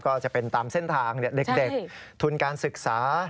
ก็จะเป็นตามเส้นทางเด็กทุนการศึกษา